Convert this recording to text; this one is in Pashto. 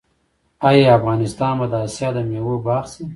آیا افغانستان به د اسیا د میوو باغ شي؟